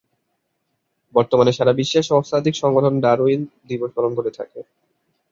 বর্তমানে সারা বিশ্বের সহস্রাধিক সংগঠন ডারউইন দিবস পালন করে থাকে।